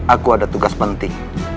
aku ada tugas penting